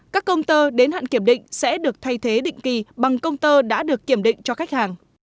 các công tơ đến hạn kiểm định sẽ được thay thế định kỳ bằng công tơ đã được kiểm định cho khách hàng